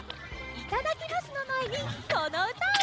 いただきますのまえにこのうたをうたいましょう！